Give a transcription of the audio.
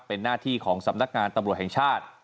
เป็นหน้าที่ของสำนักงานตำรวจแห่งชาติ